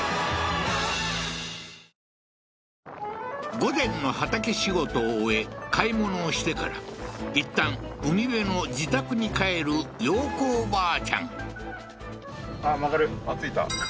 午前の畑仕事を終え買い物をしてからいったん海辺の自宅に帰る洋子おばあちゃんははははっ